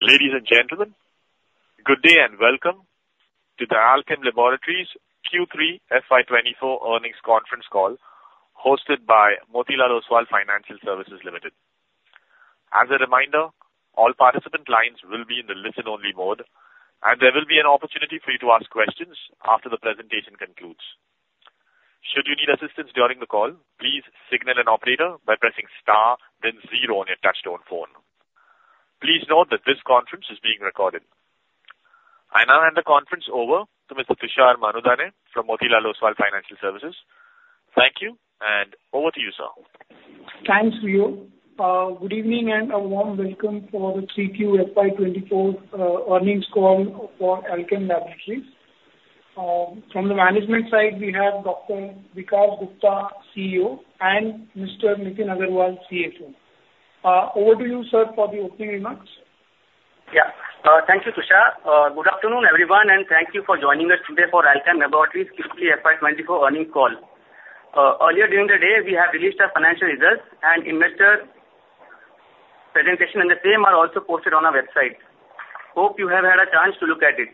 Ladies and gentlemen, good day and welcome to the Alkem Laboratories Q3 FY24 Earnings Conference Call hosted by Motilal Oswal Financial Services Limited. As a reminder, all participant lines will be in the listen-only mode, and there will be an opportunity for you to ask questions after the presentation concludes. Should you need assistance during the call, please signal an operator by pressing star, then zero on your touch-tone phone. Please note that this conference is being recorded. I now hand the conference over to Mr. Tushar Manudhane from Motilal Oswal Financial Services. Thank you, and over to you, sir. Thanks to you. Good evening and a warm welcome for the Q3 FY24 Earnings Call for Alkem Laboratories. From the management side, we have Dr. Vikas Gupta, CEO, and Mr. Nitin Agrawal, CFO. Over to you, sir, for the opening remarks. Yeah. Thank you, Tushar. Good afternoon, everyone, and thank you for joining us today for Alkem Laboratories Q3 FY24 Earnings Call. Earlier during the day, we have released our financial results, and investor presentations and the same are also posted on our website. Hope you have had a chance to look at it.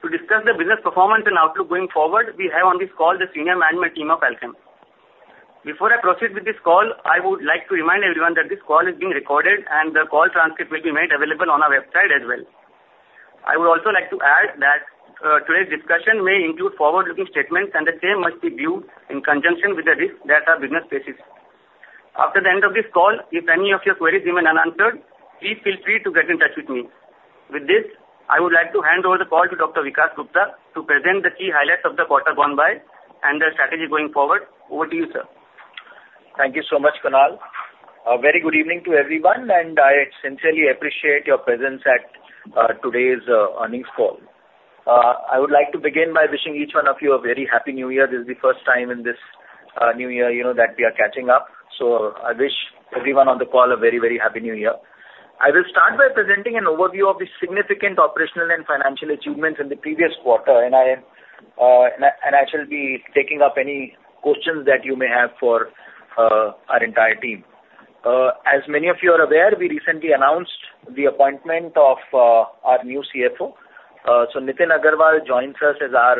To discuss the business performance and outlook going forward, we have on this call the senior management team of Alkem. Before I proceed with this call, I would like to remind everyone that this call is being recorded, and the call transcript will be made available on our website as well. I would also like to add that today's discussion may include forward-looking statements, and the same must be viewed in conjunction with the risks that our business faces. After the end of this call, if any of your queries remain unanswered, please feel free to get in touch with me. With this, I would like to hand over the call to Dr. Vikas Gupta to present the key highlights of the quarter gone by and the strategy going forward. Over to you, sir. Thank you so much, Kunal. Very good evening to everyone, and I sincerely appreciate your presence at today's earnings call. I would like to begin by wishing each one of you a very happy New Year. This is the first time in this New Year that we are catching up, so I wish everyone on the call a very, very happy New Year. I will start by presenting an overview of the significant operational and financial achievements in the previous quarter, and I shall be taking up any questions that you may have for our entire team. As many of you are aware, we recently announced the appointment of our new CFO. Nitin Agrawal joins us as our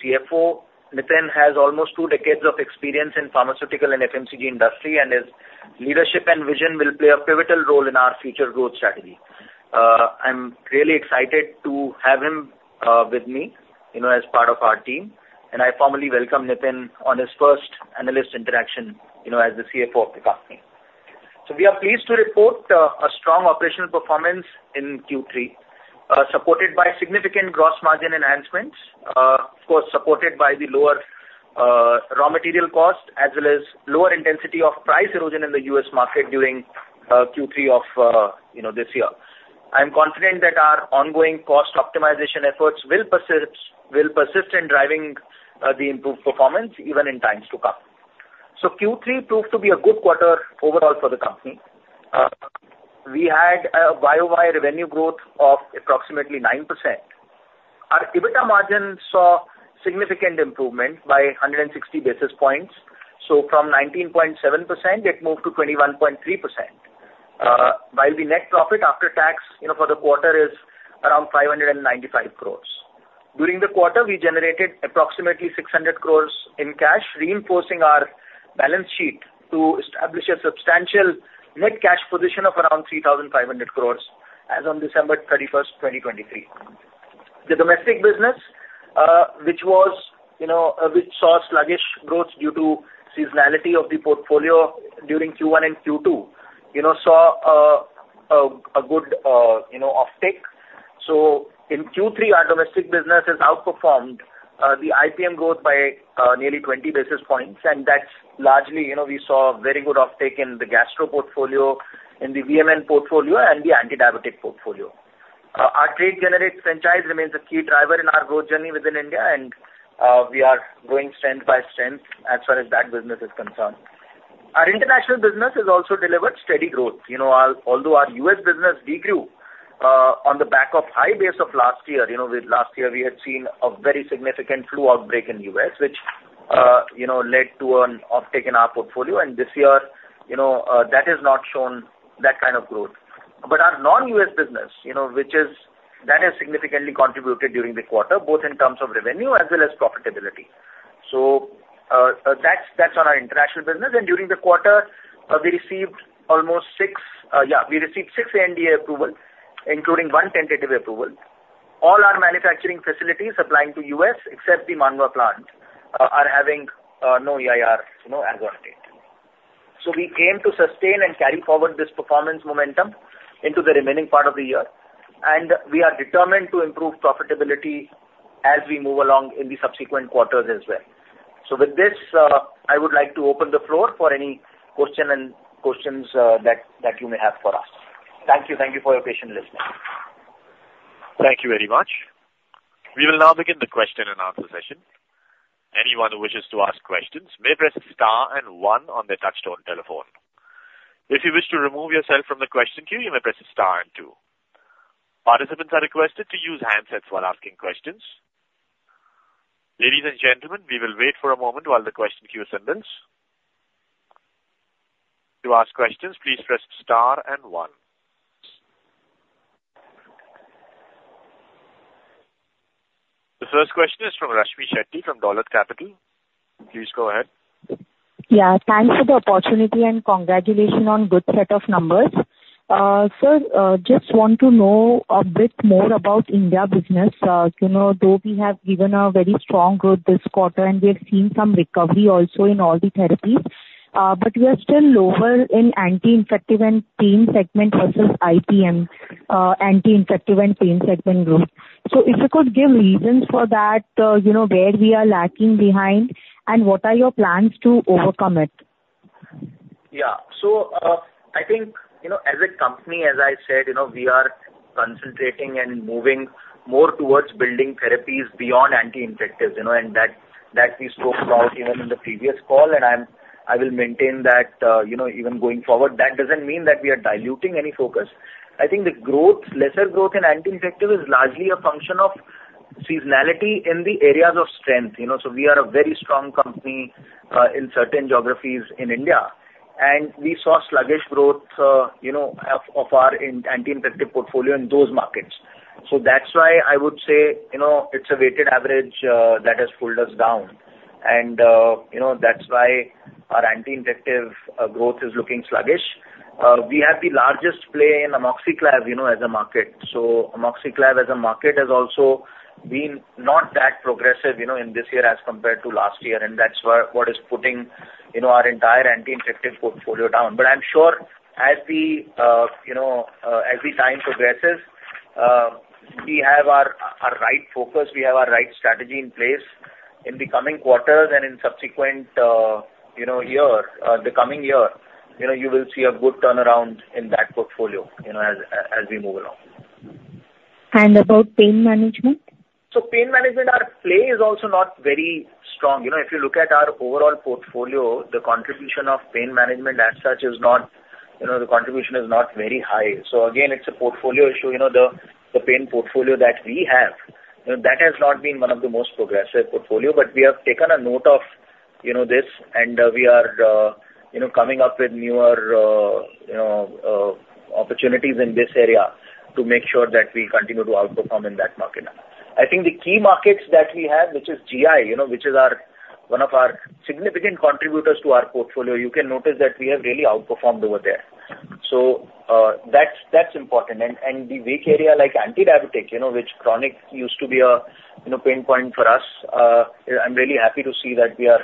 CFO. Nitin has almost two decades of experience in pharmaceutical and FMCG industry, and his leadership and vision will play a pivotal role in our future growth strategy. I'm really excited to have him with me as part of our team, and I formally welcome Nitin on his first analyst interaction as the CFO of the company. So we are pleased to report a strong operational performance in Q3, supported by significant gross margin enhancements, of course, supported by the lower raw material cost as well as lower intensity of price erosion in the US market during Q3 of this year. I'm confident that our ongoing cost optimization efforts will persist in driving the improved performance even in times to come. So Q3 proved to be a good quarter overall for the company. We had a YoY revenue growth of approximately 9%. Our EBITDA margin saw significant improvement by 160 basis points. So from 19.7%, it moved to 21.3%, while the net profit after tax for the quarter is around 595 crores. During the quarter, we generated approximately 600 crores in cash, reinforcing our balance sheet to establish a substantial net cash position of around 3,500 crores as on December 31st, 2023. The domestic business, which saw sluggish growth due to seasonality of the portfolio during Q1 and Q2, saw a good uptake. So in Q3, our domestic business has outperformed the IPM growth by nearly 20 basis points, and that's largely we saw very good uptake in the gastro portfolio, in the VMN portfolio, and the antidiabetic portfolio. Our trade-generated franchise remains a key driver in our growth journey within India, and we are growing strength by strength as far as that business is concerned. Our international business has also delivered steady growth, although our US business degrew on the back of high base of last year. Last year, we had seen a very significant flu outbreak in the U.S., which led to an uptake in our portfolio, and this year, that has not shown that kind of growth. But our non-U.S. business, which has significantly contributed during the quarter, both in terms of revenue as well as profitability. So that's on our international business, and during the quarter, we received six ANDA approvals, including one tentative approval. All our manufacturing facilities supplying to the U.S., except the Mangoa plant, are having no EIR as of date. So we aim to sustain and carry forward this performance momentum into the remaining part of the year, and we are determined to improve profitability as we move along in the subsequent quarters as well. So with this, I would like to open the floor for any questions that you may have for us. Thank you. Thank you for your patient listening. Thank you very much. We will now begin the question-and-answer session. Anyone who wishes to ask questions may press star and one on their touch-tone telephone. If you wish to remove yourself from the question queue, you may press star and two. Participants are requested to use handsets while asking questions. Ladies and gentlemen, we will wait for a moment while the question queue assembles. To ask questions, please press star and one. The first question is from Rashmi Sancheti from Dolat Capital. Please go ahead. Yeah. Thanks for the opportunity and congratulations on a good set of numbers. Sir, just want to know a bit more about India business. Though we have given a very strong growth this quarter, and we have seen some recovery also in all the therapies, but we are still lower in anti-infective and pain segment versus IPM, anti-infective and pain segment growth. So if you could give reasons for that, where we are lacking behind, and what are your plans to overcome it? Yeah. So I think as a company, as I said, we are concentrating and moving more towards building therapies beyond anti-infective, and that we spoke about even in the previous call, and I will maintain that even going forward. That doesn't mean that we are diluting any focus. I think the lesser growth in anti-infective is largely a function of seasonality in the areas of strength. So we are a very strong company in certain geographies in India, and we saw sluggish growth of our anti-infective portfolio in those markets. So that's why I would say it's a weighted average that has pulled us down, and that's why our anti-infective growth is looking sluggish. We have the largest play in Amoxiclav as a market. Amoxiclav as a market has also been not that progressive in this year as compared to last year, and that's what is putting our entire anti-infective portfolio down. I'm sure as the time progresses, we have our right focus. We have our right strategy in place in the coming quarters and in the subsequent year. The coming year, you will see a good turnaround in that portfolio as we move along. About pain management? So pain management, our play is also not very strong. If you look at our overall portfolio, the contribution of pain management as such is not. The contribution is not very high. So again, it's a portfolio issue. The pain portfolio that we have, that has not been one of the most progressive portfolios, but we have taken a note of this, and we are coming up with newer opportunities in this area to make sure that we continue to outperform in that market. I think the key markets that we have, which is GI, which is one of our significant contributors to our portfolio, you can notice that we have really outperformed over there. So that's important. And the weak area like antidiabetic, which chronic used to be a pain point for us, I'm really happy to see that we are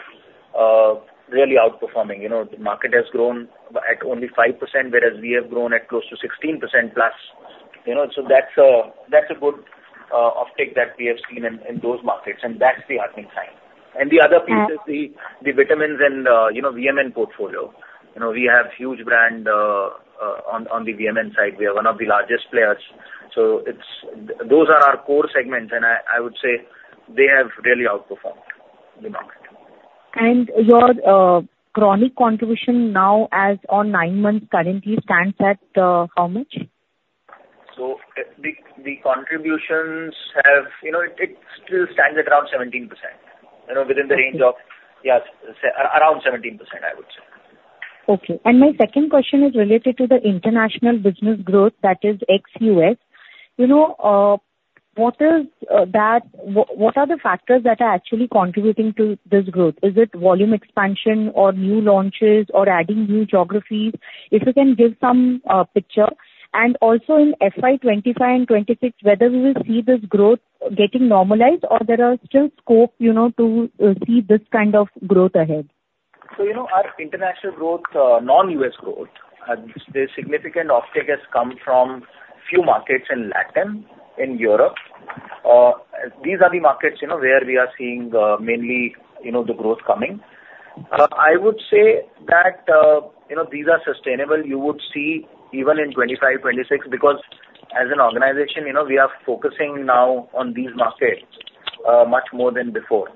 really outperforming. The market has grown at only 5%, whereas we have grown at close to 16%+. So that's a good uptake that we have seen in those markets, and that's the heartening sign. And the other piece is the vitamins and VMN portfolio. We have a huge brand on the VMN side. We are one of the largest players. So those are our core segments, and I would say they have really outperformed the market. Your chronic contribution now on nine months currently stands at how much? So the contributions have it still stands at around 17% within the range of, yeah, around 17%, I would say. Okay. And my second question is related to the international business growth, that is XUS. What are the factors that are actually contributing to this growth? Is it volume expansion or new launches or adding new geographies? If you can give some picture. And also in FY2025 and 2026, whether we will see this growth getting normalized or there is still scope to see this kind of growth ahead? So our international growth, non-U.S. growth, the significant uptake has come from a few markets in Latin and Europe. These are the markets where we are seeing mainly the growth coming. I would say that these are sustainable. You would see even in 2025, 2026 because as an organization, we are focusing now on these markets much more than before.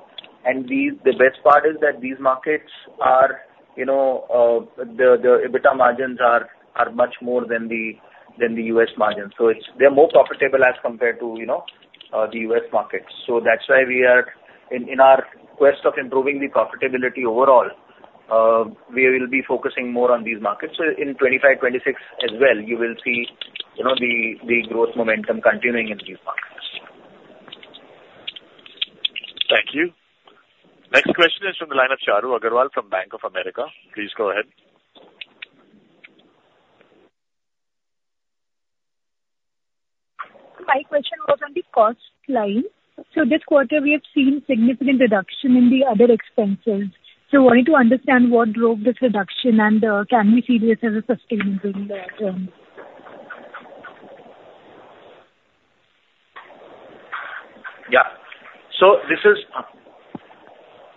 And the best part is that these markets are the EBITDA margins are much more than the U.S. margins. So they're more profitable as compared to the U.S. markets. So that's why we are in our quest of improving the profitability overall, we will be focusing more on these markets. So in 2025, 2026 as well, you will see the growth momentum continuing in these markets. Thank you. Next question is from the line of Charu Aggarwal from Bank of America. Please go ahead. My question was on the cost line. So this quarter, we have seen significant reduction in the other expenses. So, wanting to understand what drove this reduction, and can we see this as a sustainable return? Yeah. So this is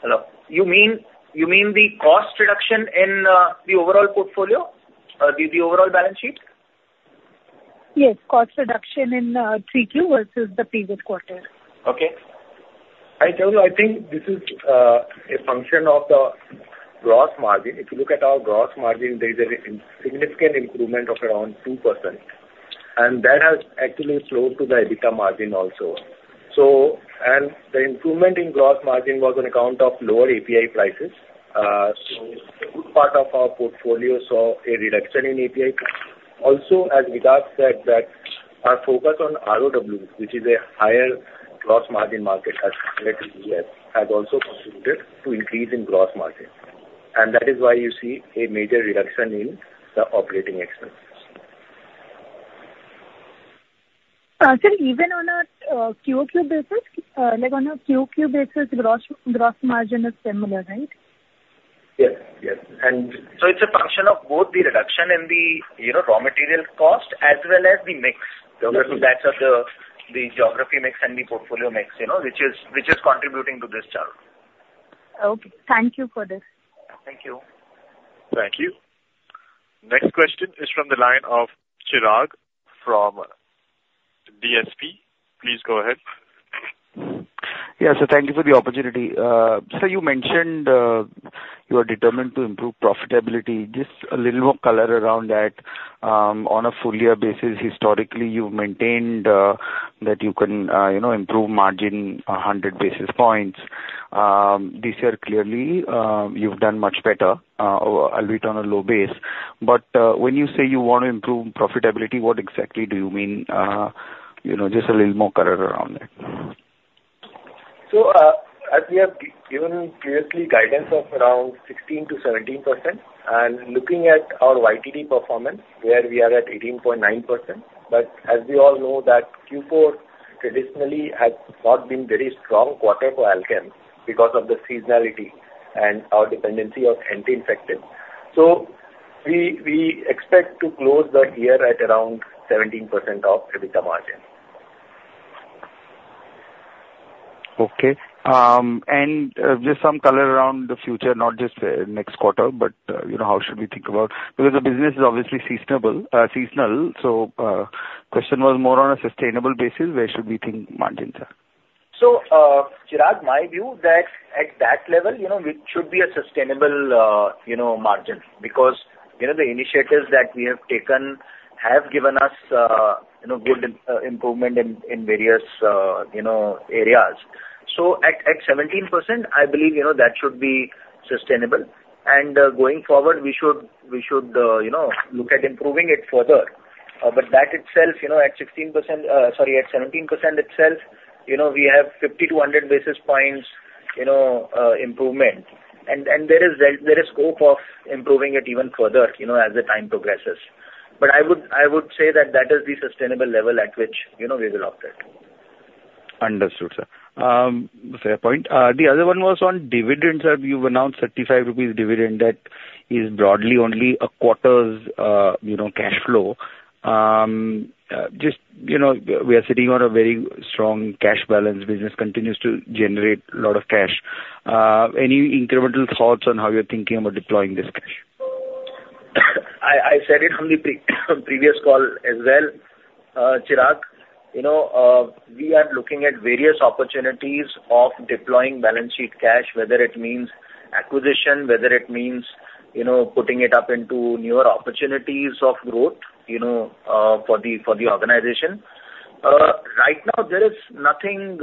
hello? You mean the cost reduction in the overall portfolio, the overall balance sheet? Yes. Cost reduction in 3Q versus the previous quarter. Okay. I tell you, I think this is a function of the gross margin. If you look at our gross margin, there is a significant improvement of around 2%, and that has actually flowed to the EBITDA margin also. And the improvement in gross margin was on account of lower API prices. So a good part of our portfolio saw a reduction in API. Also, as Vikas said, that our focus on ROWs, which is a higher gross margin market as compared to the U.S., has also contributed to increase in gross margin. And that is why you see a major reduction in the operating expenses. Sir, even on a QQ basis, gross margin is similar, right? Yes. Yes. And so it's a function of both the reduction in the raw material cost as well as the mix. So that's the geography mix and the portfolio mix, which is contributing to this, Charu. Okay. Thank you for this. Thank you. Thank you. Next question is from the line of Chirag from DSP. Please go ahead. Yeah. So thank you for the opportunity. Sir, you mentioned you are determined to improve profitability. Just a little more color around that. On a full-year basis, historically, you've maintained that you can improve margin 100 basis points. This year, clearly, you've done much better, albeit on a low base. But when you say you want to improve profitability, what exactly do you mean? Just a little more color around it. As we have given previously guidance of around 16%-17%, and looking at our YTD performance, where we are at 18.9%. But as we all know, that Q4 traditionally has not been a very strong quarter for Alkem because of the seasonality and our dependency on anti-infective. So we expect to close the year at around 17% of EBITDA margin. Okay. Just some color around the future, not just next quarter, but how should we think about because the business is obviously seasonal. So question was more on a sustainable basis, where should we think margins are? So Chirag, my view that at that level, it should be a sustainable margin because the initiatives that we have taken have given us good improvement in various areas. At 17%, I believe that should be sustainable. Going forward, we should look at improving it further. That itself, at 16% sorry, at 17% itself, we have 50-100 basis points improvement, and there is scope of improving it even further as the time progresses. I would say that that is the sustainable level at which we will opt at. Understood, sir. Fair point. The other one was on dividends, sir. You've announced 35 rupees dividend. That is broadly only a quarter's cash flow. Just we are sitting on a very strong cash balance. Business continues to generate a lot of cash. Any incremental thoughts on how you're thinking about deploying this cash? I said it on the previous call as well, Chirag. We are looking at various opportunities of deploying balance sheet cash, whether it means acquisition, whether it means putting it up into newer opportunities of growth for the organization. Right now, there is nothing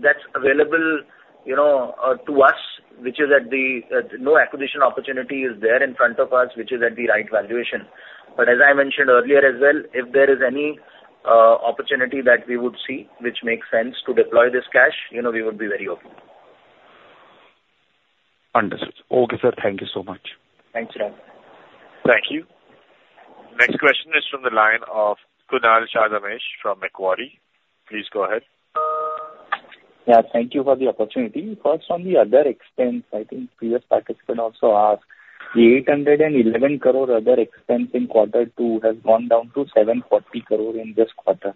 that's available to us, which is that no acquisition opportunity is there in front of us, which is at the right valuation. But as I mentioned earlier as well, if there is any opportunity that we would see which makes sense to deploy this cash, we would be very open. Understood. Okay, sir. Thank you so much. Thanks, Chirag. Thank you. Next question is from the line of Kunal Dhamesha from Macquarie. Please go ahead. Yeah. Thank you for the opportunity. First, on the other expense, I think previous participant also asked, the INR 811 crore other expense in quarter two has gone down to INR 740 crore in this quarter.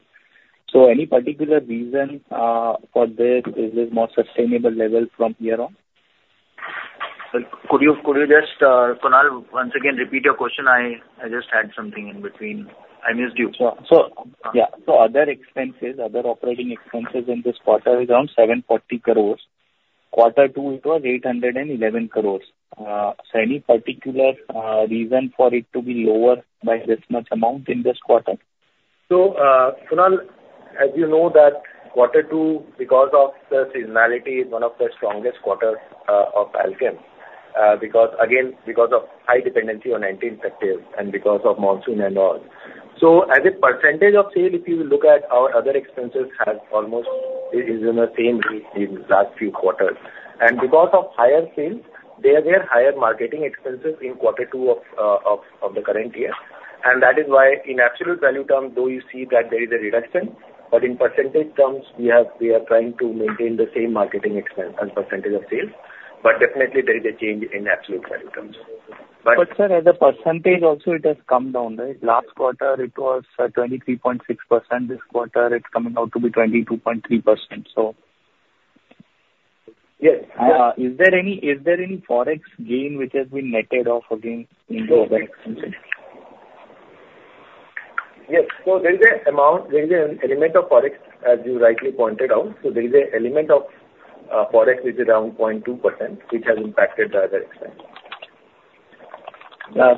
So any particular reason for this? Is this more sustainable level from here on? Could you just, Kunal, once again repeat your question? I just had something in between. I missed you. Sure. So yeah. So other expenses, other operating expenses in this quarter is around 740 crores. Quarter two, it was 811 crores. So any particular reason for it to be lower by this much amount in this quarter? So, Kunal, as you know that quarter two, because of the seasonality, is one of the strongest quarters of Alkem because, again, because of high dependency on anti-infective and because of monsoon and all. So as a percentage of sale, if you look at our other expenses, it is in the same rate in the last few quarters. And because of higher sales, there are higher marketing expenses in quarter two of the current year. And that is why in absolute value terms, though you see that there is a reduction, but in percentage terms, we are trying to maintain the same marketing expense and percentage of sales. But definitely, there is a change in absolute value terms. But. But, sir, as a percentage also, it has come down, right? Last quarter, it was 23.6%. This quarter, it's coming out to be 22.3%, so. Yes. Is there any forex gain which has been netted off again in the other expenses? Yes. So there is an element of forex, as you rightly pointed out. So there is an element of forex which is around 0.2%, which has impacted the other expense.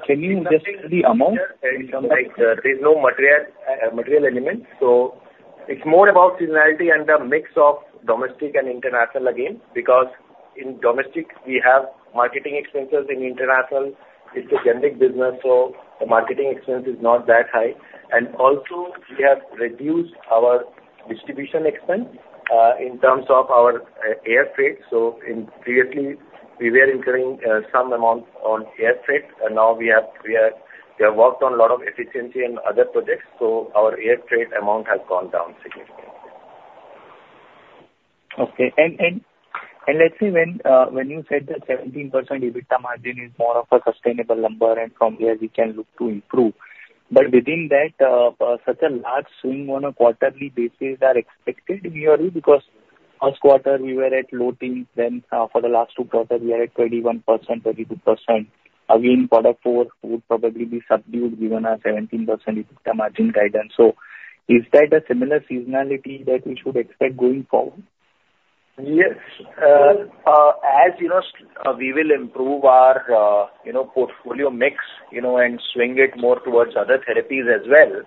Can you just the amount in terms of? There is no material element. So it's more about seasonality and a mix of domestic and international again because in domestic, we have marketing expenses. In international, it's a generic business, so the marketing expense is not that high. And also, we have reduced our distribution expense in terms of our air trade. So previously, we were incurring some amount on air trade, and now we have worked on a lot of efficiency in other projects. So our air trade amount has gone down significantly. Okay. Let's say when you said that 17% EBITDA margin is more of a sustainable number and from here, we can look to improve. But within that, such a large swing on a quarterly basis is expected in your view because last quarter, we were at low teens. Then for the last two quarters, we are at 21%, 22%. Again, quarter four would probably be subdued given our 17% EBITDA margin guidance. So is that a similar seasonality that we should expect going forward? Yes. As we will improve our portfolio mix and swing it more towards other therapies as well,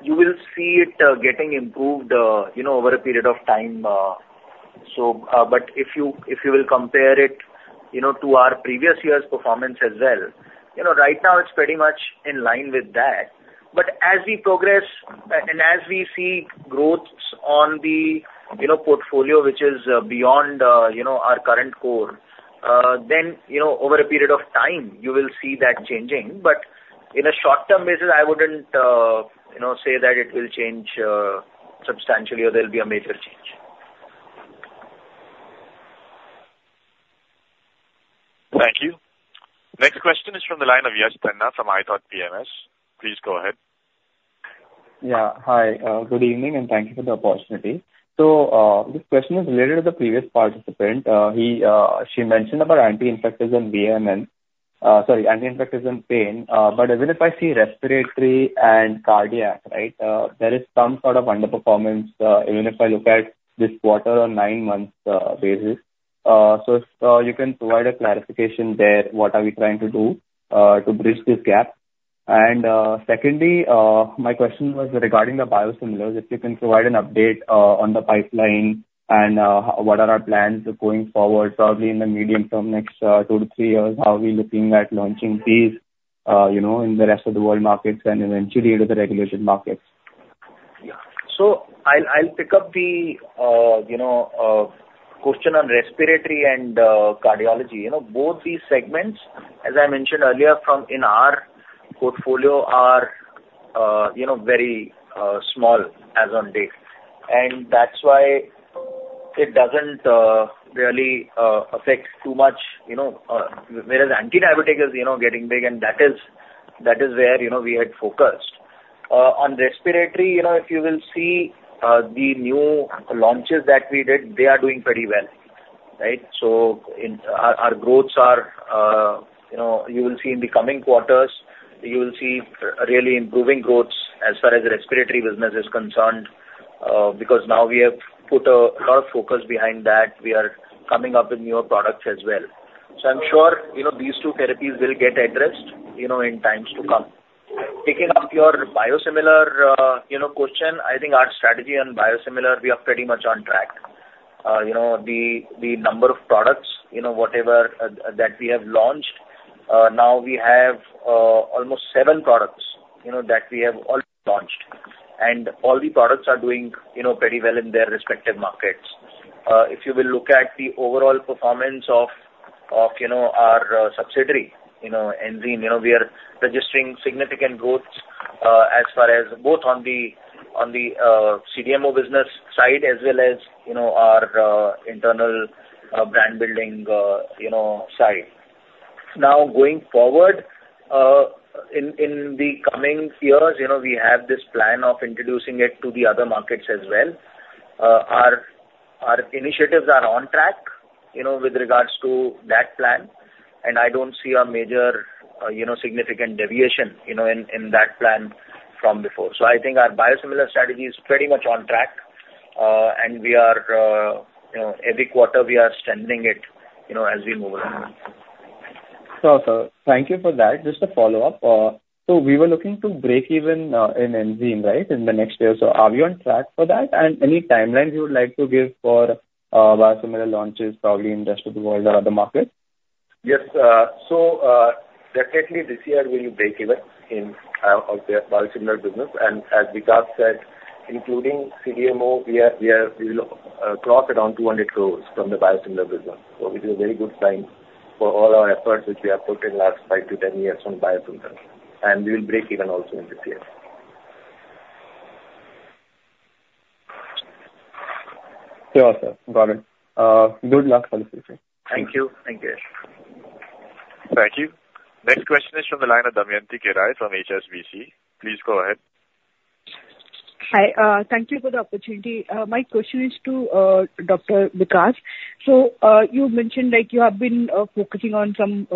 you will see it getting improved over a period of time. But if you will compare it to our previous year's performance as well, right now, it's pretty much in line with that. But as we progress and as we see growths on the portfolio, which is beyond our current core, then over a period of time, you will see that changing. But in a short-term basis, I wouldn't say that it will change substantially or there'll be a major change. Thank you. Next question is from the line of Yash Tanna from iThought PMS. Please go ahead. Yeah. Hi. Good evening, and thank you for the opportunity. So this question is related to the previous participant. She mentioned about anti-infectives and VMN sorry, anti-infectives and pain. But even if I see respiratory and cardiac, right, there is some sort of underperformance even if I look at this quarter on 9-month basis. So if you can provide a clarification there, what are we trying to do to bridge this gap? And secondly, my question was regarding the biosimilars. If you can provide an update on the pipeline and what are our plans going forward, probably in the medium term, next 2-3 years, how are we looking at launching these in the rest of the world markets and eventually into the regulated markets? Yeah. So I'll pick up the question on respiratory and cardiology. Both these segments, as I mentioned earlier, in our portfolio are very small as on date. And that's why it doesn't really affect too much. Whereas antidiabetic is getting big, and that is where we had focused. On respiratory, if you will see the new launches that we did, they are doing pretty well, right? So our growths are you will see in the coming quarters, you will see really improving growths as far as the respiratory business is concerned because now we have put a lot of focus behind that. We are coming up with newer products as well. So I'm sure these two therapies will get addressed in times to come. Picking up your biosimilar question, I think our strategy on biosimilar, we are pretty much on track. The number of products, whatever that we have launched, now we have almost 7 products that we have already launched. All the products are doing pretty well in their respective markets. If you will look at the overall performance of our subsidiary Enzene, we are registering significant growths as far as both on the CDMO business side as well as our internal brand-building side. Now, going forward, in the coming years, we have this plan of introducing it to the other markets as well. Our initiatives are on track with regards to that plan, and I don't see a major significant deviation in that plan from before. I think our biosimilar strategy is pretty much on track, and every quarter, we are extending it as we move along. So, sir, thank you for that. Just a follow-up. So we were looking to break even in Enzene, right, in the next year. So are we on track for that? And any timelines you would like to give for biosimilar launches, probably in the rest of the world or other markets? Yes. So definitely, this year, we will break even in our biosimilar business. And as Vikas said, including CDMO, we will cross around 200 crores from the biosimilar business. So it is a very good sign for all our efforts which we have put in the last five to 10 years on biosimilar. And we will break even also in this year. Sure, sir. Got it. Good luck, for the future. Thank you. Thank you. Thank you. Next question is from the line of Damayanti Kerai from HSBC. Please go ahead. Hi. Thank you for the opportunity. My question is to Dr. Vikas. So you mentioned you have been focusing on some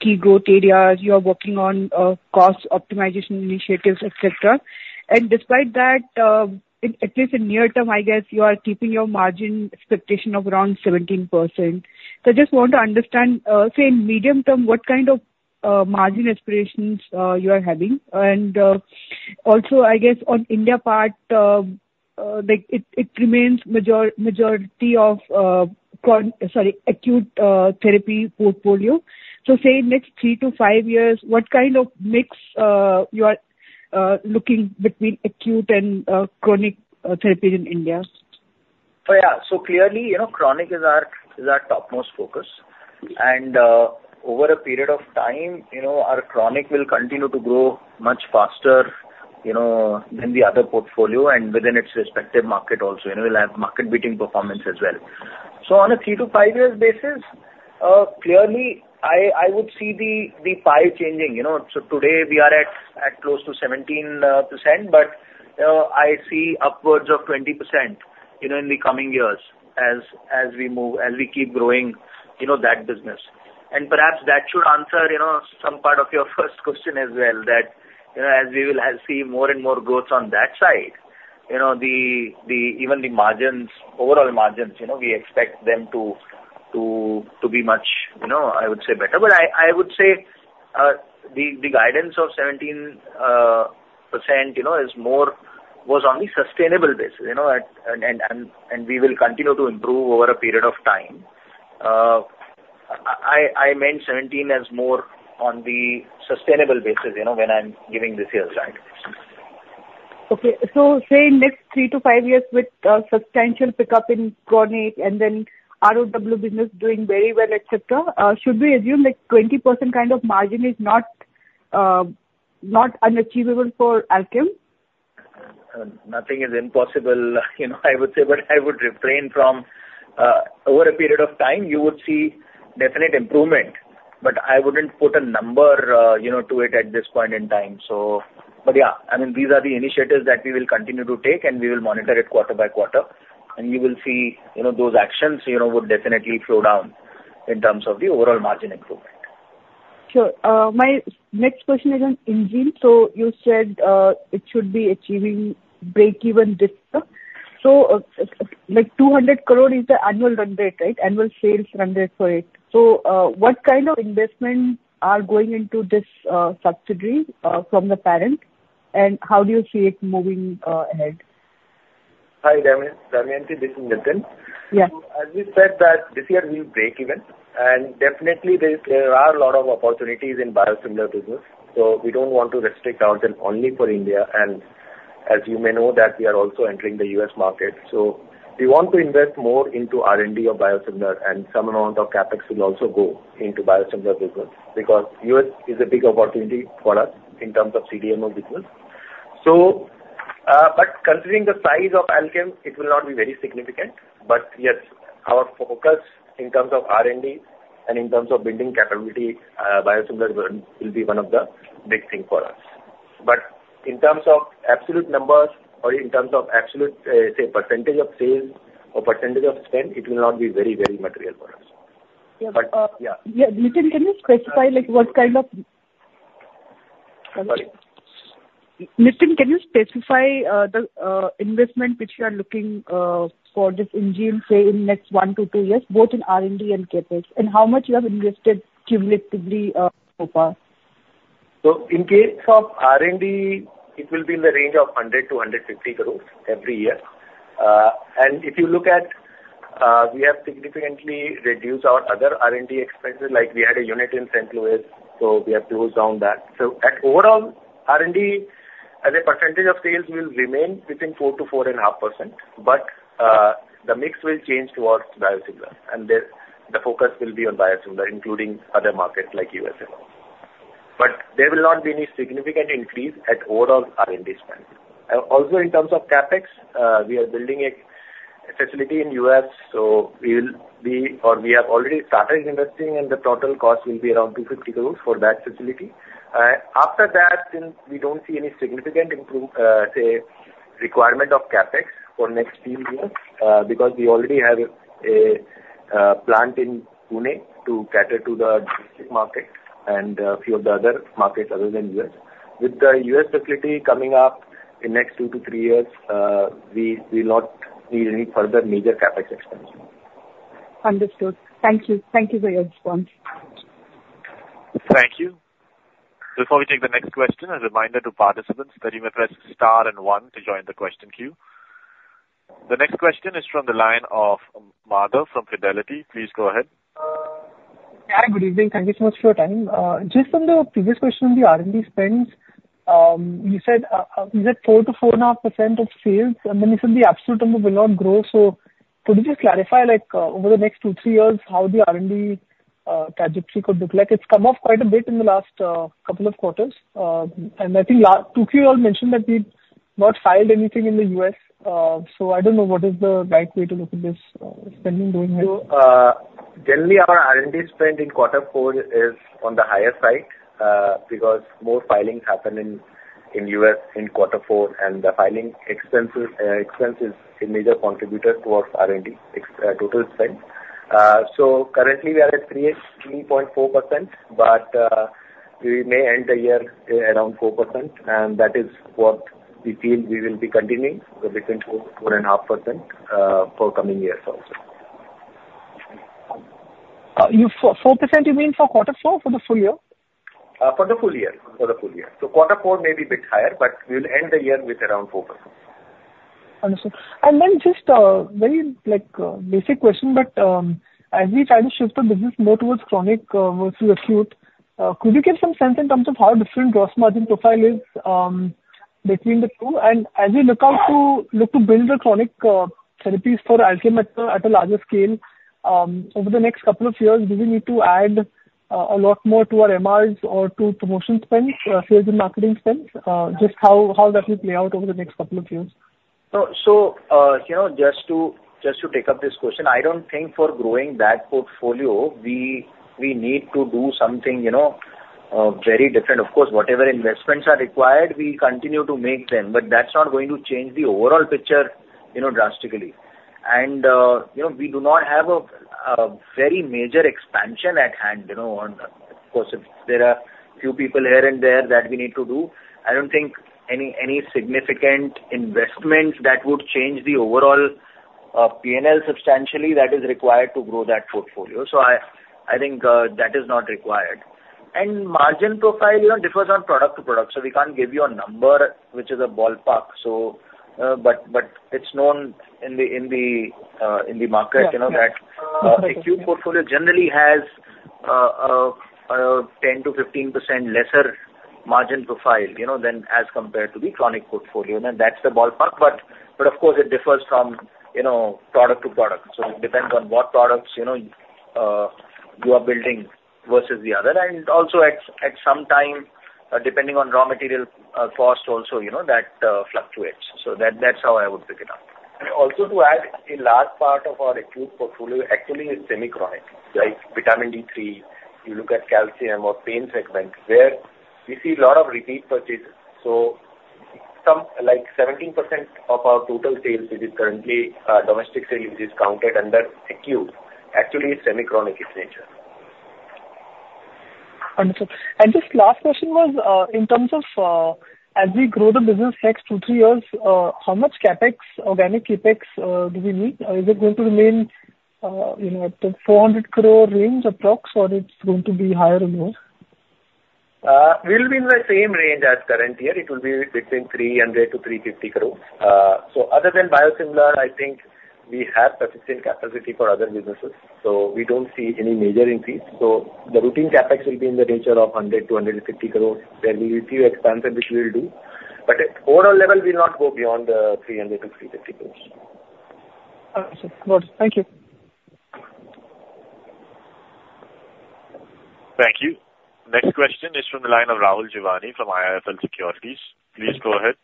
key growth areas. You are working on cost optimization initiatives, etc. And despite that, at least in near term, I guess you are keeping your margin expectation of around 17%. So I just want to understand, say, in medium term, what kind of margin aspirations you are having. And also, I guess, on India part, it remains majority of, sorry, acute therapy portfolio. So say, next three to five years, what kind of mix you are looking between acute and chronic therapies in India? Oh, yeah. So clearly, chronic is our topmost focus. And over a period of time, our chronic will continue to grow much faster than the other portfolio and within its respective market also. It will have market-beating performance as well. So on a 3-5 years basis, clearly, I would see the pie changing. So today, we are at close to 17%, but I see upwards of 20% in the coming years as we keep growing that business. And perhaps that should answer some part of your first question as well, that as we will see more and more growth on that side, even the margins, overall margins, we expect them to be much, I would say, better. But I would say the guidance of 17% was on the sustainable basis, and we will continue to improve over a period of time. I meant 17 as more on the sustainable basis when I'm giving this year's guidance. Okay. So, say, next 3-5 years with substantial pickup in US ANDA and then ROW business doing very well, etc., should we assume 20% kind of margin is not unachievable for Alkem? Nothing is impossible, I would say. But I would refrain from over a period of time, you would see definite improvement. But I wouldn't put a number to it at this point in time, so. But yeah, I mean, these are the initiatives that we will continue to take, and we will monitor it quarter by quarter. And you will see those actions would definitely slow down in terms of the overall margin improvement. Sure. My next question is on Enzene. So you said it should be achieving break-even this year. So 200 crore is the annual run rate, right, annual sales run rate for it. So what kind of investments are going into this subsidiary from the parent, and how do you see it moving ahead? Hi, Damayanti. This is Nitin. So as we said that this year, we will break even. And definitely, there are a lot of opportunities in biosimilar business. So we don't want to restrict ourselves only for India. And as you may know, we are also entering the U.S. market. So we want to invest more into R&D of biosimilar, and some amount of CapEx will also go into biosimilar business because U.S. is a big opportunity for us in terms of CDMO business. But considering the size of Alkem, it will not be very significant. But yes, our focus in terms of R&D and in terms of building capability, biosimilar will be one of the big things for us. But in terms of absolute numbers or in terms of absolute, say, percentage of sales or percentage of spend, it will not be very, very material for us. Yeah. But yeah. Yeah, Nitin, can you specify what kind of? Sorry. Nitin, can you specify the investment which you are looking for this Enzene, say, in next 1-2 years, both in R&D and CapEx, and how much you have invested cumulatively so far? In case of R&D, it will be in the range of 100 crore-150 crore every year. If you look at, we have significantly reduced our other R&D expenses. We had a unit in St. Louis, so we have closed down that. Overall, R&D as a percentage of sales will remain between 4%-4.5%, but the mix will change towards biosimilar. The focus will be on biosimilar, including other markets like U.S. and all. But there will not be any significant increase at overall R&D spend. Also, in terms of CapEx, we are building a facility in U.S., so we will be or we have already started investing, and the total cost will be around 250 crore for that facility. After that, we don't see any significant, say, requirement of CapEx for next few years because we already have a plant in Pune to cater to the domestic market and a few of the other markets other than U.S. With the U.S. facility coming up in next 2-3 years, we will not need any further major CapEx expenses. Understood. Thank you. Thank you for your response. Thank you. Before we take the next question, a reminder to participants that you may press star and one to join the question queue. The next question is from the line of Madhav from Fidelity. Please go ahead. Hi. Good evening. Thank you so much for your time. Just from the previous question on the R&D spends, you said 4%-4.5% of sales, and then you said the absolute number will not grow. So could you just clarify over the next 2-3 years how the R&D trajectory could look like? It's come up quite a bit in the last couple of quarters. I think two of you all mentioned that we've not filed anything in the U.S. So I don't know what is the right way to look at this spending going ahead. Generally, our R&D spend in quarter four is on the higher side because more filings happen in U.S. in quarter four, and the filing expense is a major contributor towards R&D total spend. Currently, we are at 3.4%, but we may end the year around 4%, and that is what we feel we will be continuing between 4.5% for coming years also. 4%, you mean for quarter four, for the full year? For the full year. For the full year. So quarter four may be a bit higher, but we will end the year with around 4%. Understood. And then just a very basic question, but as we try to shift the business more towards chronic versus acute, could you give some sense in terms of how different gross margin profile is between the two? And as we look out to build the chronic therapies for Alkem at a larger scale over the next couple of years, do we need to add a lot more to our MRs or to promotion spends, sales and marketing spends, just how that will play out over the next couple of years? So just to take up this question, I don't think for growing that portfolio, we need to do something very different. Of course, whatever investments are required, we continue to make them, but that's not going to change the overall picture drastically. And we do not have a very major expansion at hand. Of course, if there are a few people here and there that we need to do, I don't think any significant investment that would change the overall P&L substantially that is required to grow that portfolio. So I think that is not required. And margin profile differs on product to product, so we can't give you a number which is a ballpark. But it's known in the market that acute portfolio generally has a 10%-15% lesser margin profile as compared to the chronic portfolio. And that's the ballpark. Of course, it differs from product to product. It depends on what products you are building versus the other. Also, at some time, depending on raw material cost also, that fluctuates. That's how I would pick it up. Also to add, the last part of our acute portfolio actually is semi-chronic, like vitamin D3. You look at calcium or pain segments. There, we see a lot of repeat purchases. 17% of our total sales, which is currently domestic sales, is counted under acute. Actually, it's semi-chronic in nature. Understood. And just last question was in terms of as we grow the business next 2-3 years, how much CapEx, organic CapEx do we need? Is it going to remain at the 400 crore range approximately, or it's going to be higher or lower? We will be in the same range as current year. It will be between 300-350 crores. Other than biosimilar, I think we have sufficient capacity for other businesses. We don't see any major increase. The routine CapEx will be in the nature of 100-150 crores. There will be a few expansions which we will do. But overall level, we will not go beyond the 300-350 crores. Understood. Got it. Thank you. Thank you. Next question is from the line of Rahul Jeewani from IIFL Securities. Please go ahead.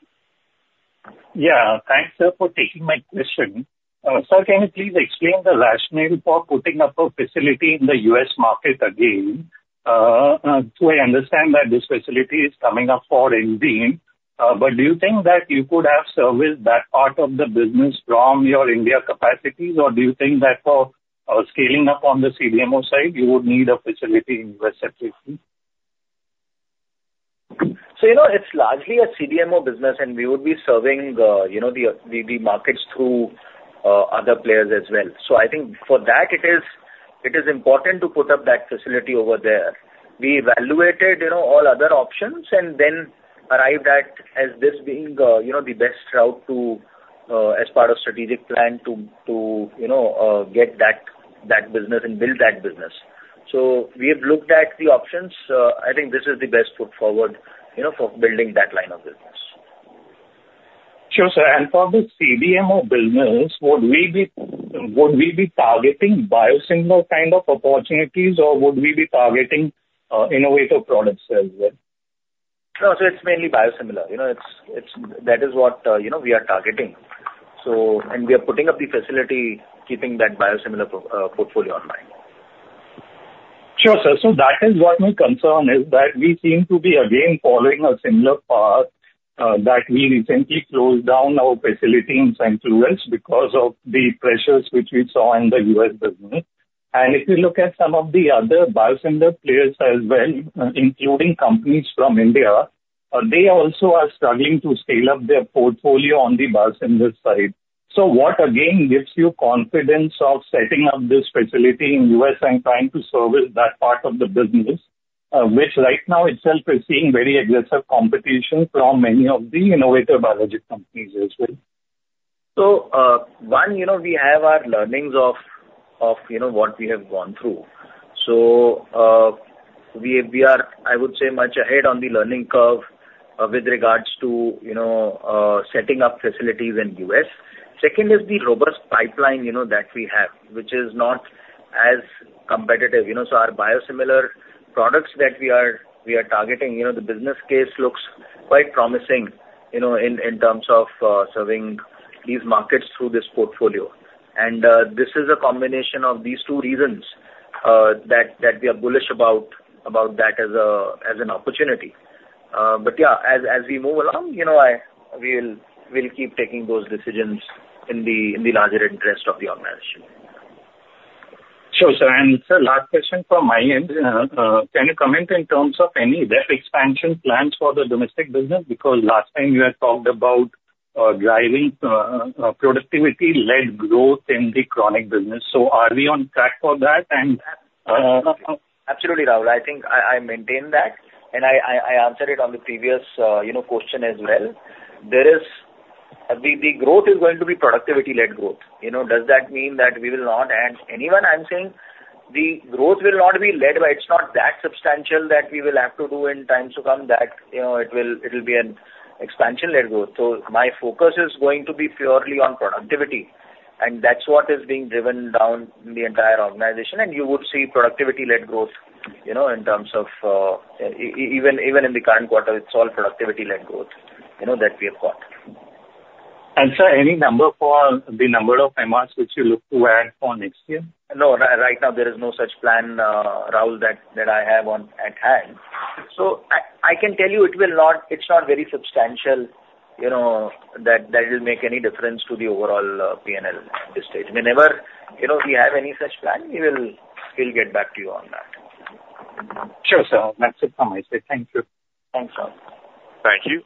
Yeah. Thanks, sir, for taking my question. Sir, can you please explain the rationale for putting up a facility in the U.S. market again? I understand that this facility is coming up for Enzene, but do you think that you could have serviced that part of the business from your India capacities, or do you think that for scaling up on the CDMO side, you would need a facility in U.S. separately? It's largely a CDMO business, and we would be serving the markets through other players as well. I think for that, it is important to put up that facility over there. We evaluated all other options and then arrived at this being the best route as part of strategic plan to get that business and build that business. We have looked at the options. I think this is the best foot forward for building that line of business. Sure, sir. And for the CDMO business, would we be targeting biosimilar kind of opportunities, or would we be targeting innovative products as well? No, so it's mainly biosimilar. That is what we are targeting. We are putting up the facility, keeping that biosimilar portfolio online. Sure, sir. So that is what my concern is, that we seem to be, again, following a similar path that we recently closed down our facility in St. Louis because of the pressures which we saw in the U.S. business. If you look at some of the other biosimilar players as well, including companies from India, they also are struggling to scale up their portfolio on the biosimilar side. What, again, gives you confidence of setting up this facility in the U.S. and trying to service that part of the business, which right now itself is seeing very aggressive competition from many of the innovative biologic companies as well? So one, we have our learnings of what we have gone through. So we are, I would say, much ahead on the learning curve with regards to setting up facilities in the U.S. Second is the robust pipeline that we have, which is not as competitive. So our biosimilar products that we are targeting, the business case looks quite promising in terms of serving these markets through this portfolio. And this is a combination of these two reasons that we are bullish about that as an opportunity. But yeah, as we move along, we will keep taking those decisions in the larger interest of the organization. Sure, sir. Sir, last question from my end. Can you comment in terms of any depth expansion plans for the domestic business? Because last time, you had talked about driving productivity-led growth in the chronic business. So are we on track for that? Absolutely, Rahul. I think I maintained that, and I answered it on the previous question as well. The growth is going to be productivity-led growth. Does that mean that we will not add anyone? I'm saying the growth will not be led, but it's not that substantial that we will have to do in times to come that it will be an expansion-led growth. So my focus is going to be purely on productivity, and that's what is being driven down in the entire organization. And you would see productivity-led growth in terms of even in the current quarter, it's all productivity-led growth that we have got. Sir, any number for the number of MRs which you look to add for next year? No, right now, there is no such plan, Rahul, that I have at hand. So I can tell you it's not very substantial that it will make any difference to the overall P&L at this stage. I mean, whenever we have any such plan, we will get back to you on that. Sure, sir. That's it from my side. Thank you. Thanks, Rahul. Thank you.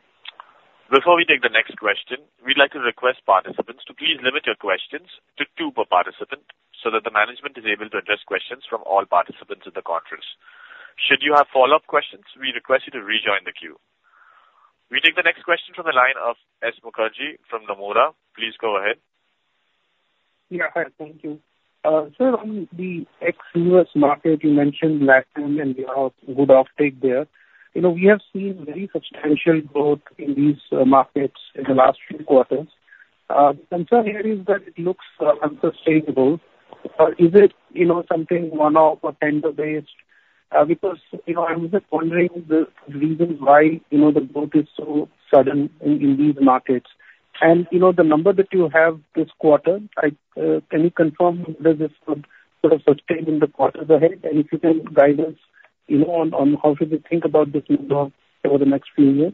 Before we take the next question, we'd like to request participants to please limit your questions to two per participant so that the management is able to address questions from all participants in the conference. Should you have follow-up questions, we request you to rejoin the queue. We take the next question from the line of S. Mukherjee from Nomura. Please go ahead. Yeah, hi. Thank you. Sir, on the ex-US market, you mentioned Latin and Europe. Good offtake there. We have seen very substantial growth in these markets in the last few quarters. The concern here is that it looks unsustainable. Is it something one-off or tender-based? Because I was just wondering the reasons why the growth is so sudden in these markets. And the number that you have this quarter, can you confirm whether this would sort of sustain in the quarters ahead? And if you can guide us on how should we think about this number over the next few years?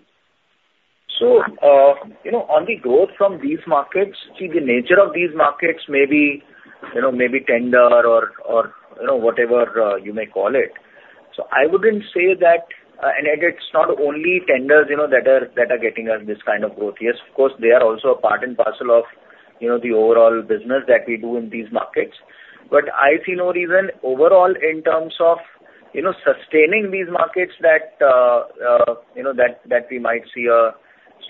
So on the growth from these markets, see, the nature of these markets may be tender or whatever you may call it. So I wouldn't say that and it's not only tenders that are getting us this kind of growth. Yes, of course, they are also a part and parcel of the overall business that we do in these markets. But I see no reason overall in terms of sustaining these markets that we might see a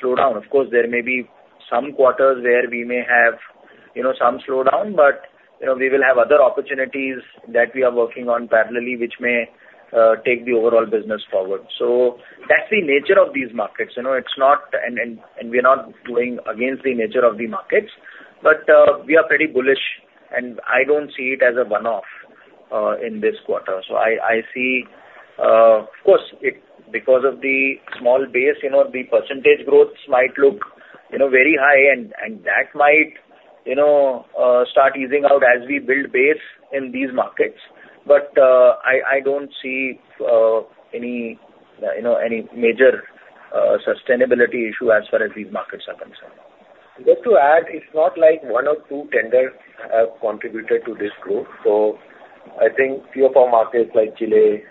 slowdown. Of course, there may be some quarters where we may have some slowdown, but we will have other opportunities that we are working on parallelly which may take the overall business forward. So that's the nature of these markets. And we are not going against the nature of the markets, but we are pretty bullish, and I don't see it as a one-off in this quarter. I see, of course, because of the small base, the percentage growth might look very high, and that might start easing out as we build base in these markets. But I don't see any major sustainability issue as far as these markets are concerned. Just to add, it's not like one or two tenders have contributed to this growth. I think fewer or more markets like Chile,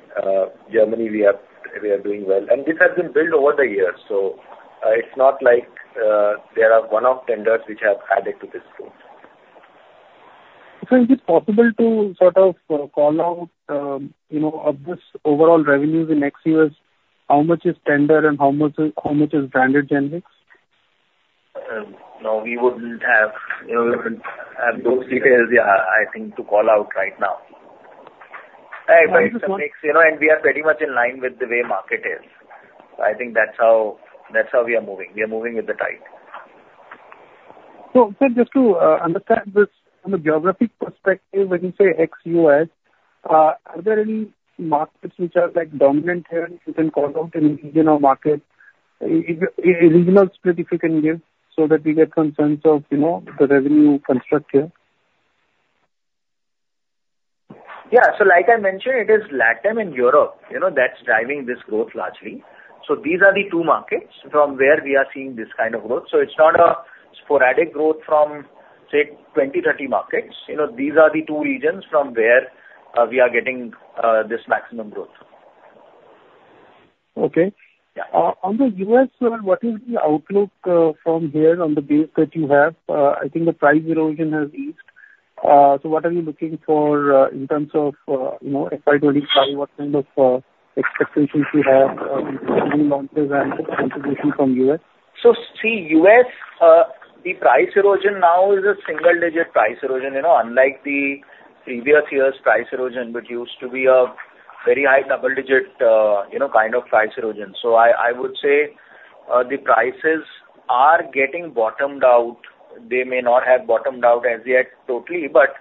Germany, we are doing well. This has been built over the years. It's not like there are one-off tenders which have added to this growth. Sir, is it possible to sort of call out of this overall revenues in next years, how much is tender and how much is branded generics? No, we wouldn't have those details, yeah. I think to call out right now. We are pretty much in line with the way market is. I think that's how we are moving. We are moving with the tide. So sir, just to understand this, from a geographic perspective, when you say ex-U.S., are there any markets which are dominant here that you can call out in the region or market, a regional split if you can give, so that we get some sense of the revenue construct here? Yeah. So like I mentioned, it is Latin America and Europe that's driving this growth largely. So these are the two markets from where we are seeing this kind of growth. So it's not a sporadic growth from, say, 20, 30 markets. These are the two regions from where we are getting this maximum growth. Okay. On the U.S. level, what is the outlook from here on the base that you have? I think the price erosion has eased. So what are you looking for in terms of FY25? What kind of expectations do you have on the launches and contribution from U.S.? So see, U.S., the price erosion now is a single-digit price erosion, unlike the previous years' price erosion, which used to be a very high double-digit kind of price erosion. I would say the prices are getting bottomed out. They may not have bottomed out as yet totally, but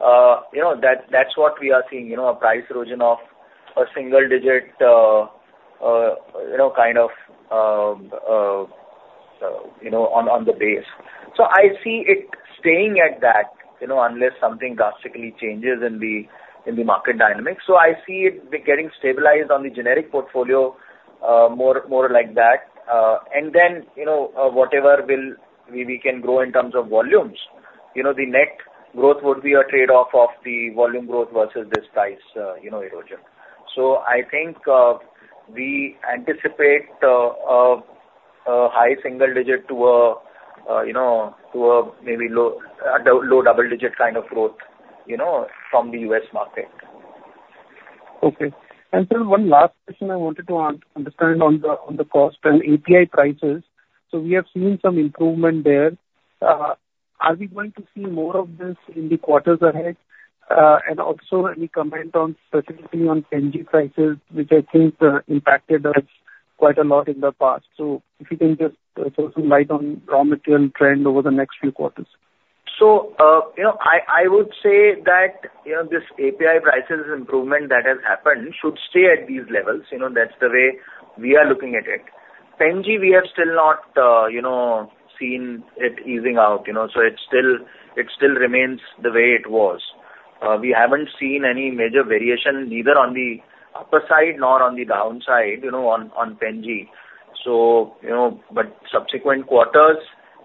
that's what we are seeing, a price erosion of a single-digit kind of on the base. I see it staying at that unless something drastically changes in the market dynamics. I see it getting stabilized on the generic portfolio more like that. And then whatever, we can grow in terms of volumes. The net growth would be a trade-off of the volume growth versus this price erosion. I think we anticipate a high single-digit to a maybe low double-digit kind of growth from the U.S. market. Okay. And sir, one last question I wanted to understand on the cost and API prices. So we have seen some improvement there. Are we going to see more of this in the quarters ahead? And also, any comment specifically on PNG prices, which I think impacted us quite a lot in the past? So if you can just throw some light on raw material trend over the next few quarters. So I would say that this API prices improvement that has happened should stay at these levels. That's the way we are looking at it. PNG, we have still not seen it easing out. So it still remains the way it was. We haven't seen any major variation neither on the upper side nor on the downside on PNG. But subsequent quarters,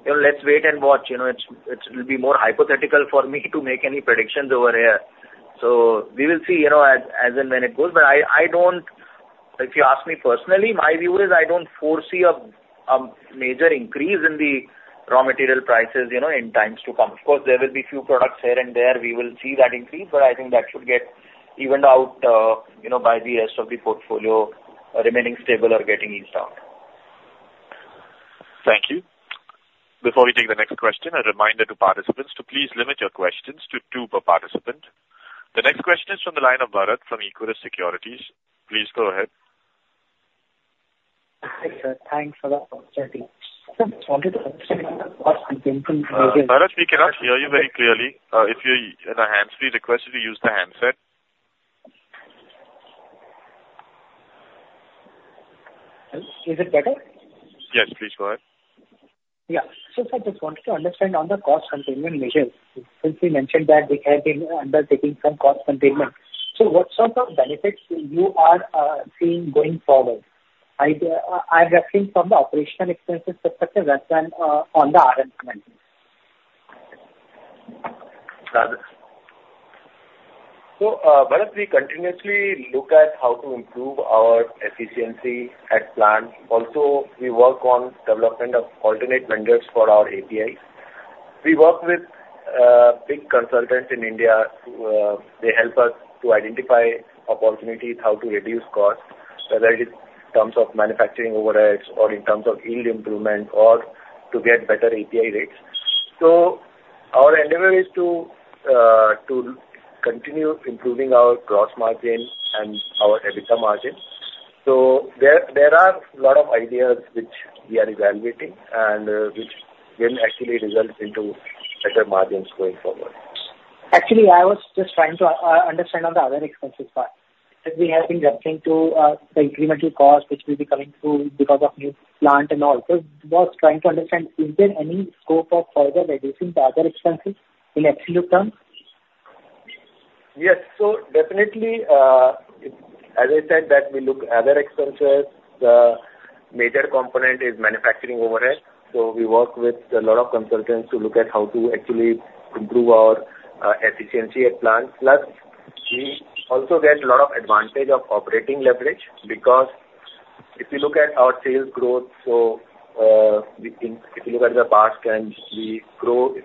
let's wait and watch. It will be more hypothetical for me to make any predictions over here. So we will see as and when it goes. But if you ask me personally, my view is I don't foresee a major increase in the raw material prices in times to come. Of course, there will be few products here and there. We will see that increase, but I think that should get evened out by the rest of the portfolio, remaining stable or getting eased out. Thank you. Before we take the next question, a reminder to participants to please limit your questions to two per participant. The next question is from the line of Bharat from Equirus Securities. Please go ahead. Hi, sir. Thanks for that answer. I just wanted to ask what's the difference major? Bharat, we cannot hear you very clearly. If you're in a hands-free, request to use the handset. Is it better? Yes, please go ahead. Yeah. So sir, I just wanted to understand on the cost containment measures. Since we mentioned that we have been undertaking some cost containment, so what sort of benefits you are seeing going forward? I'm referring from the operational expenses perspective as well on the RMC management. So Bharat, we continuously look at how to improve our efficiency at plant. Also, we work on development of alternate vendors for our APIs. We work with big consultants in India. They help us to identify opportunities how to reduce costs, whether it is in terms of manufacturing overheads or in terms of yield improvement or to get better API rates. So our endeavor is to continue improving our gross margin and our EBITDA margin. So there are a lot of ideas which we are evaluating and which will actually result into better margins going forward. Actually, I was just trying to understand on the other expenses part. We have been referring to the incremental cost which will be coming through because of new plant and all. So I was trying to understand, is there any scope of further reducing the other expenses in absolute terms? Yes. So definitely, as I said, that we look at other expenses. The major component is manufacturing overhead. So we work with a lot of consultants to look at how to actually improve our efficiency at plant. Plus, we also get a lot of advantage of operating leverage because if you look at our sales growth, so if you look at the past trend, we grow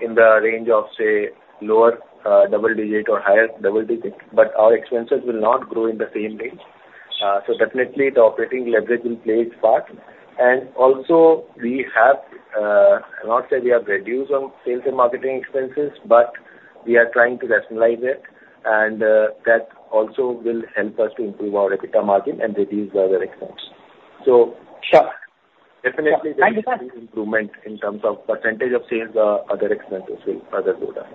in the range of, say, lower double-digit or higher double-digit. But our expenses will not grow in the same range. So definitely, the operating leverage in place part. And also, we have not said we have reduced on sales and marketing expenses, but we are trying to rationalize it. And that also will help us to improve our EBITDA margin and reduce the other expenses. So definitely, there will be improvement in terms of percentage of sales. The other expenses will further go down.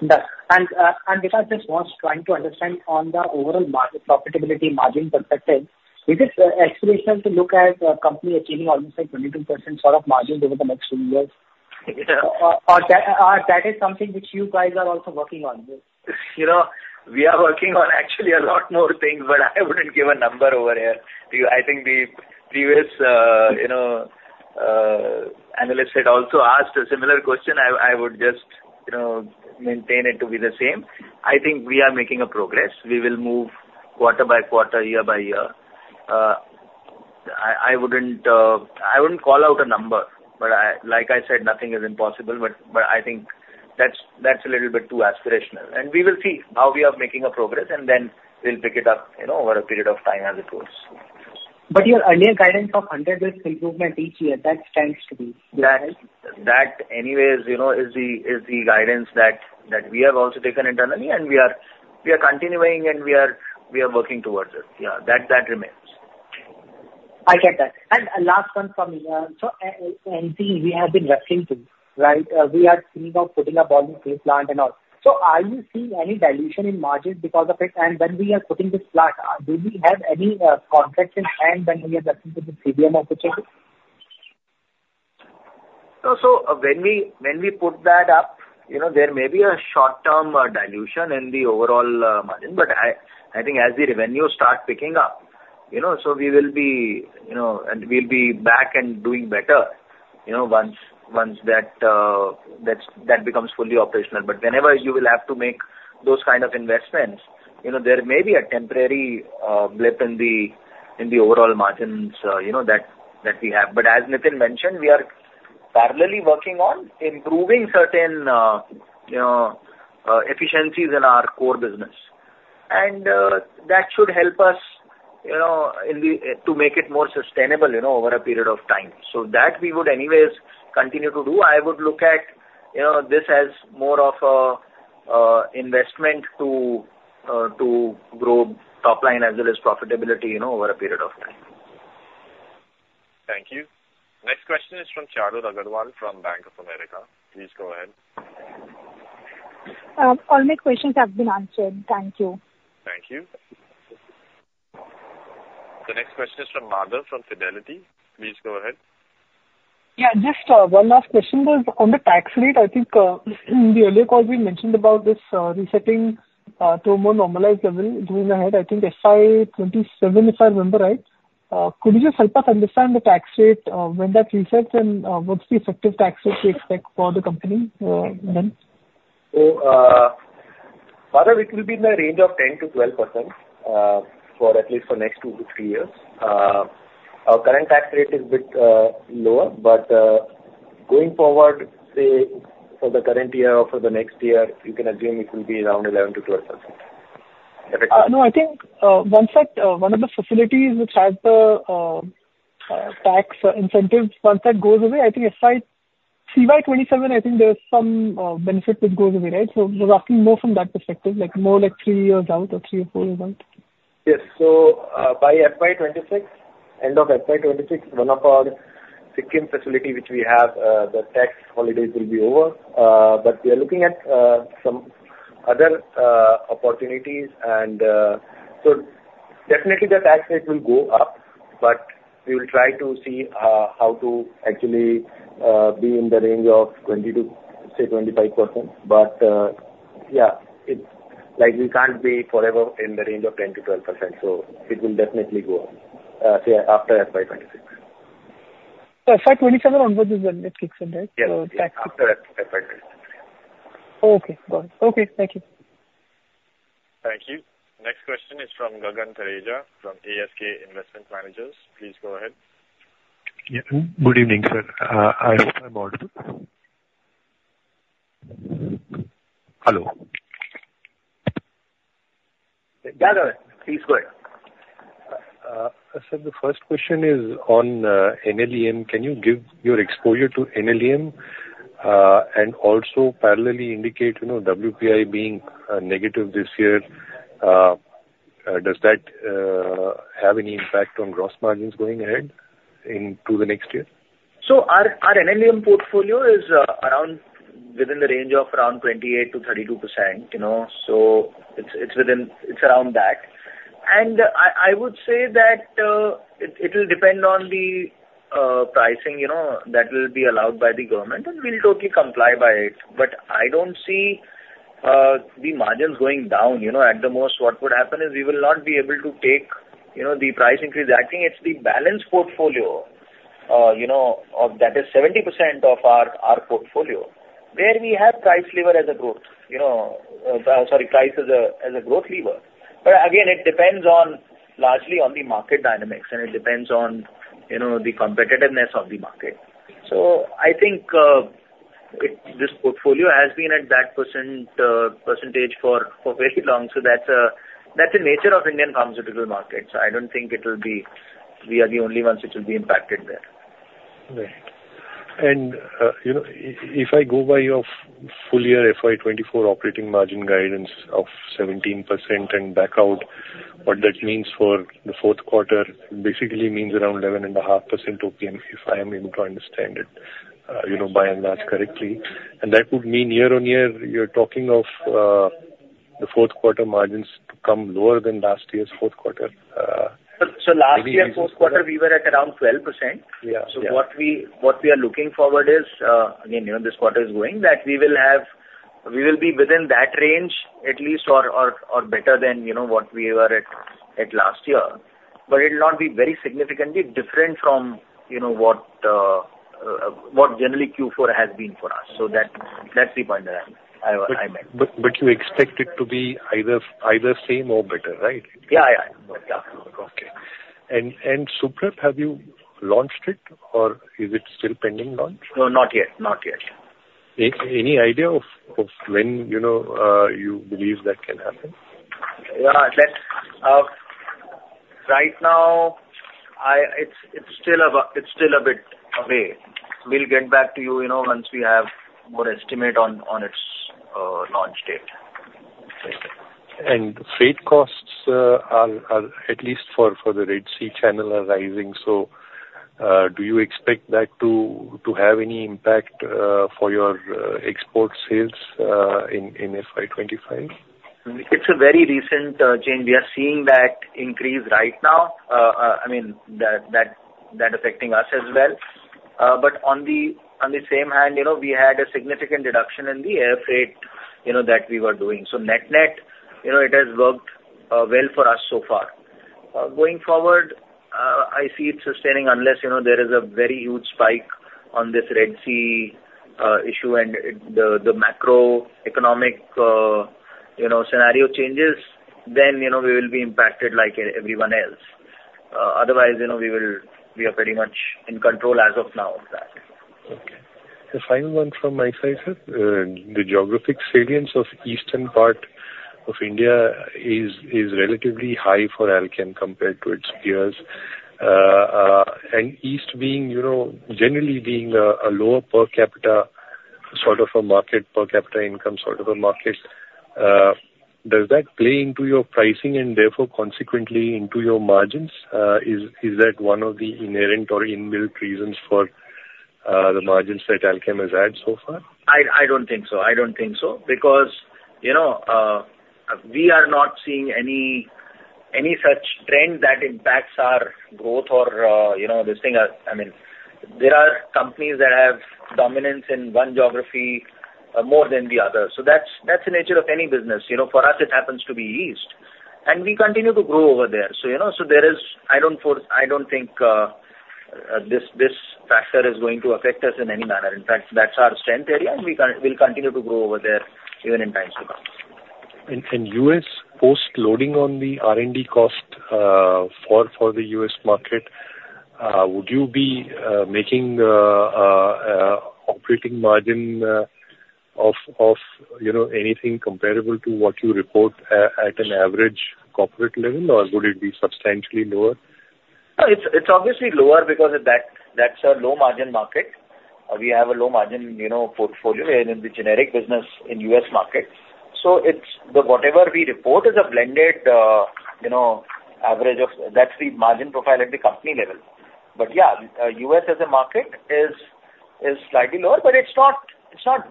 Yes. If I just was trying to understand on the overall profitability margin perspective, is it explanatory to look at a company achieving almost like 22% sort of margins over the next few years? Or that is something which you guys are also working on? We are working on actually a lot more things, but I wouldn't give a number over here to you. I think the previous analyst had also asked a similar question. I would just maintain it to be the same. I think we are making progress. We will move quarter by quarter, year by year. I wouldn't call out a number, but like I said, nothing is impossible. But I think that's a little bit too aspirational. We will see how we are making progress, and then we'll pick it up over a period of time as it goes. Your earlier guidance of 100-digit improvement each year, that stands to be. Yes. That anyways is the guidance that we have also taken internally, and we are continuing, and we are working towards it. Yeah, that remains. I get that. Last one from me. Enzene, we have been referring to, right? We are thinking of putting a bet on three plants and all. Are you seeing any dilution in margins because of it? When we are putting this plant, do we have any contracts in hand when we are referring to the CDMO of whichever? So when we put that up, there may be a short-term dilution in the overall margin. But I think as the revenues start picking up, so we will be and we'll be back and doing better once that becomes fully operational. But whenever you will have to make those kind of investments, there may be a temporary blip in the overall margins that we have. But as Nitin mentioned, we are parallelly working on improving certain efficiencies in our core business. And that should help us to make it more sustainable over a period of time. So that we would anyways continue to do. I would look at this as more of an investment to grow topline as well as profitability over a period of time. Thank you. Next question is from Charu Agarwal from Bank of America. Please go ahead. All my questions have been answered. Thank you. Thank you. The next question is from Nader from Fidelity. Please go ahead. Yeah. Just one last question. On the tax rate, I think in the earlier call, we mentioned about this resetting to a more normalized level going ahead. I think FY 2027, if I remember right, could you just help us understand the tax rate when that resets and what's the effective tax rate we expect for the company then? Bharat, it will be in the range of 10%-12% at least for the next 2-3 years. Our current tax rate is a bit lower, but going forward, say, for the current year or for the next year, you can assume it will be around 11%-12% effectively. No, I think once one of the facilities which has the tax incentives, once that goes away, I think CY 2027, I think there's some benefit which goes away, right? So I was asking more from that perspective, more like three years out or three or four years out. Yes. So by FY26, end of FY26, one of our Sikkim facilities which we have, the tax holidays will be over. But we are looking at some other opportunities. And so definitely, the tax rate will go up, but we will try to see how to actually be in the range of 20% to, say, 25%. But yeah, we can't be forever in the range of 10%-12%. So it will definitely go up, say, after FY26. So FY27 onwards is when it kicks in, right? So tax rate. Yes. After FY26. Okay. Got it. Okay. Thank you. Thank you. Next question is from Gagan Thareja from ASK Investment Managers. Please go ahead. Yeah. Good evening, sir. I hope I'm audible. Hello? Gagan, please go ahead. Sir, the first question is on NLEM. Can you give your exposure to NLEM and also parallelly indicate WPI being negative this year? Does that have any impact on gross margins going ahead into the next year? Our NLEM portfolio is within the range of around 28%-32%. It's around that. And I would say that it will depend on the pricing that will be allowed by the government, and we'll totally comply by it. But I don't see the margins going down. At the most, what would happen is we will not be able to take the price increase. I think it's the balanced portfolio that is 70% of our portfolio where we have price lever as a growth sorry, price as a growth lever. But again, it depends largely on the market dynamics, and it depends on the competitiveness of the market. So I think this portfolio has been at that percentage for very long. So that's the nature of Indian pharmaceutical markets. So I don't think we are the only ones which will be impacted there. Right. And if I go by your full-year FY24 operating margin guidance of 17% and back out, what that means for the fourth quarter basically means around 11.5% OPM if I am able to understand it by and large correctly. And that would mean year-on-year, you're talking of the fourth quarter margins to come lower than last year's fourth quarter. So last year's fourth quarter, we were at around 12%. So what we are looking forward is again, this quarter is going that we will be within that range at least or better than what we were at last year. But it'll not be very significantly different from what generally Q4 has been for us. So that's the point that I meant. But you expect it to be either same or better, right? Yeah, yeah. Yeah. Okay. And Suprep, have you launched it, or is it still pending launch? No, not yet. Not yet. Any idea of when you believe that can happen? Yeah. Right now, it's still a bit away. We'll get back to you once we have more estimate on its launch date. Freight costs, at least for the Red Sea channel, are rising. Do you expect that to have any impact for your export sales in FY25? It's a very recent change. We are seeing that increase right now, I mean, that affecting us as well. But on the same hand, we had a significant deduction in the air freight that we were doing. So net-net, it has worked well for us so far. Going forward, I see it sustaining unless there is a very huge spike on this Red Sea issue and the macroeconomic scenario changes, then we will be impacted like everyone else. Otherwise, we are pretty much in control as of now of that. Okay. The final one from my side, sir, the geographic salience of the eastern part of India is relatively high for Alkem compared to its peers. East generally being a lower per capita sort of a market, per capita income sort of a market, does that play into your pricing and therefore consequently into your margins? Is that one of the inherent or inbuilt reasons for the margins that Alkem has had so far? I don't think so. I don't think so because we are not seeing any such trend that impacts our growth or this thing. I mean, there are companies that have dominance in one geography more than the other. So that's the nature of any business. For us, it happens to be east, and we continue to grow over there. So I don't think this factor is going to affect us in any manner. In fact, that's our strength area, and we'll continue to grow over there even in times to come. U.S. post-loading on the R&D cost for the U.S. market, would you be making the operating margin of anything comparable to what you report at an average corporate level, or would it be substantially lower? It's obviously lower because that's a low-margin market. We have a low-margin portfolio in the generic business in U.S. markets. So whatever we report is a blended average of that. That's the margin profile at the company level. But yeah, U.S. as a market is slightly lower, but it's not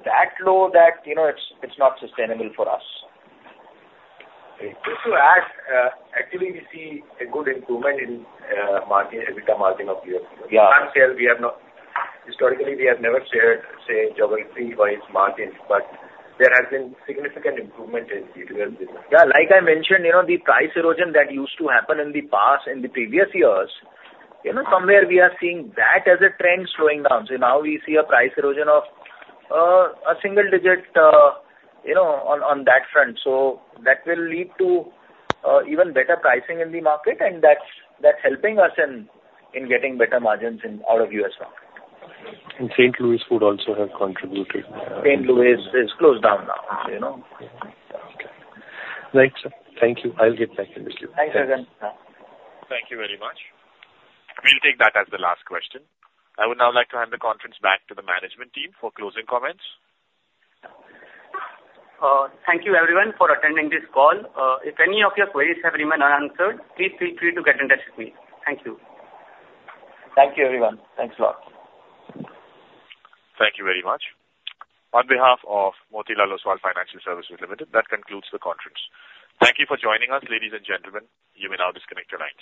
that low that it's not sustainable for us. Just to add, actually, we see a good improvement in EBITDA margin of U.S. business. We have not historically, we have never shared, say, geography-wise margins, but there has been significant improvement in U.S. business. Yeah. Like I mentioned, the price erosion that used to happen in the past in the previous years, somewhere we are seeing that as a trend slowing down. So now we see a price erosion of a single-digit on that front. So that will lead to even better pricing in the market, and that's helping us in getting better margins out of U.S. market. St. Louis would also have contributed. St. Louis is closed down now. Okay. Thank you. I'll get back in with you. Thanks, Gagan. Thank you very much. We'll take that as the last question. I would now like to hand the conference back to the management team for closing comments. Thank you, everyone, for attending this call. If any of your queries have remained unanswered, please feel free to get in touch with me. Thank you. Thank you, everyone. Thanks a lot. Thank you very much. On behalf of Motilal Oswal Financial Services Limited, that concludes the conference. Thank you for joining us, ladies and gentlemen. You may now disconnect your line.